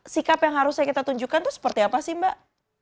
sikap yang harusnya kita tunjukkan itu seperti apa sih mbak